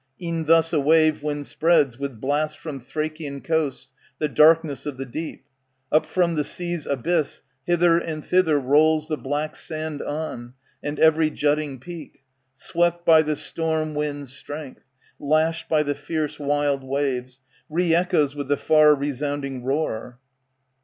E'en thus a wave, (when spreads, With blasts from Thrakian coasts, The darkness of the deep,) ^^ Up from the sea's abyss Hither and thither rolls the black sand on. And every jutting peak. Swept by the storm wind's strength, Lashed by the fierce wild waves, Re echoes with the far resounding roar.